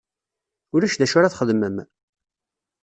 Ulac d acu ara txedmem?